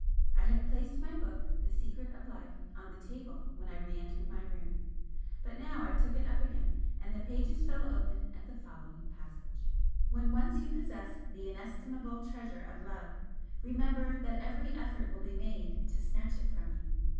I had placed my book, 'The Secret of Life,' on the table when I re entered my room but now I took it up again, and the pages fell open at the following passage: "When once you possess the inestimable treasure of love, remember that every effort will be made to snatch it from you.